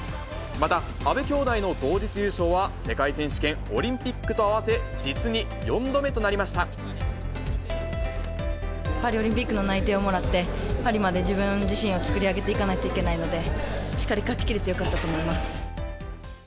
また、阿部兄妹の同日優勝は世界選手権、オリンピックと合わせ、実に４度パリオリンピックの内定をもらって、パリまで自分自身を作り上げていかないといけないので、しっかり勝ちきれてよかったと思います。